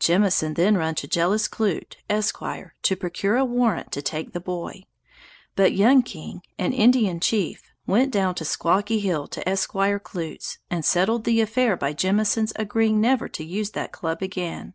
Jemison then run to Jellis Clute, Esq. to procure a warrant to take the boy; but Young King, an Indian Chief, went down to Squawky hill to Esq. Clute's, and settled the affair by Jemison's agreeing never to use that club again.